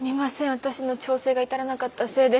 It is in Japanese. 私の調整が至らなかったせいで。